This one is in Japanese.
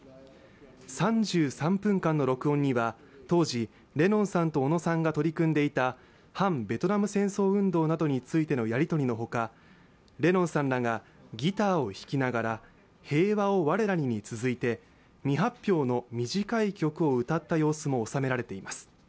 ３３分間の録音には当時、レノンさんとオノさんが取り組んでいた反ベトナム戦争運動などについてのやり取りのほかレノンさんらが、ギターを弾きながら「平和を我らに」に続いて未発表の短い曲を歌った様子も収められています。